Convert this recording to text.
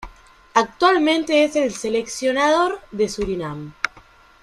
Actualmente es el seleccionador de Surinam.